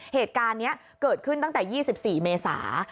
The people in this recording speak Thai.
เหตุการณ์นี้เกิดขึ้นตั้งแต่๒๔เมษา